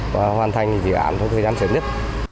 và hoàn thành dự án trong thời gian sớm nhất